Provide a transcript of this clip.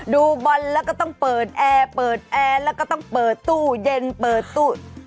ดูบอลแล้วก็ต้องเปิดแอร์เปิดแอร์แล้วก็ต้องเปิดตู้เย็นเปิดตู้